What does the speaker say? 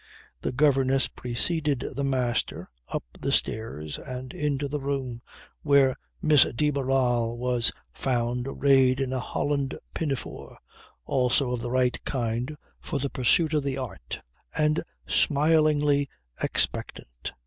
The governess preceded the master up the stairs and into the room where Miss de Barral was found arrayed in a holland pinafore (also of the right kind for the pursuit of the art) and smilingly expectant.